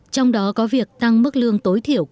trong đó có việc tăng mức lương tối thiểu